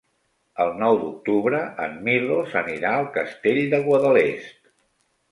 El nou d'octubre en Milos anirà al Castell de Guadalest.